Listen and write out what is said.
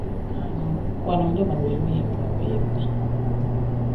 Wano ndaba buli omu yeefaako yekka.